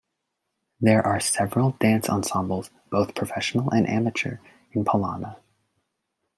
There are several dance ensembles, both professional and amateur, in Palana.